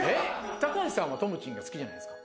高橋さんはともちんが好きじゃないですか。